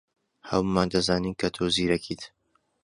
ھەموومان دەزانین کە تۆ زیرەکیت.